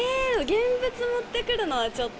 現物持ってくるのはちょっと。